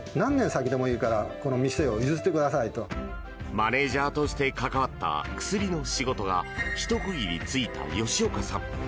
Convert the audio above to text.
マネジャーとして関わった薬の仕事がひと区切りついた吉岡さん。